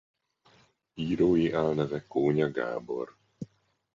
Írói álneve Kónya Gábor.